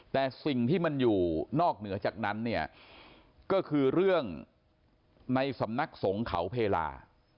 แต่สิ่งที่มันอยู่นอกเหนือจากนั้นเนี่ยก็คือเรื่องในสำนักสงฆ์เขาเพลา